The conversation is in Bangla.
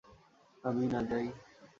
আমিই না যাই।